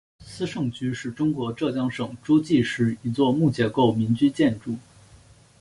斯盛居是中国浙江省诸暨市一座木结构民居建筑。